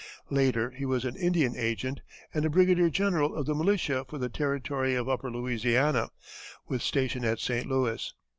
Later he was an Indian agent and a brigadier general of the militia for the territory of upper Louisiana, with station at St. Louis.